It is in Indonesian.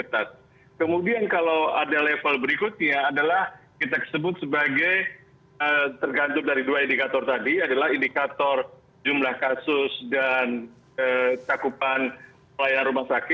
terima kasih pak pak